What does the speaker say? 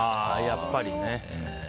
やっぱりね。